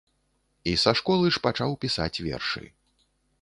І са школы ж пачаў пісаць вершы.